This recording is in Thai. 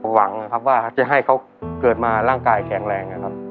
หวังนะครับว่าจะให้เขาเกิดมาร่างกายแข็งแรงนะครับ